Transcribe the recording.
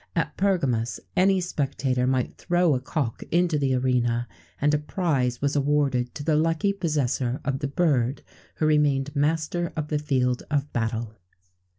At Pergamus, any spectator might throw a cock into the arena, and a prize was awarded to the lucky possessor of the bird who remained master of the field of battle.